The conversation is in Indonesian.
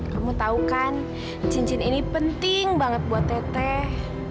kamu tahu kan cincin ini penting banget buat teteh